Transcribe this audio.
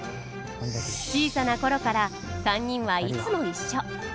小さな頃から３人はいつも一緒。